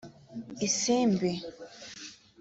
Isimbi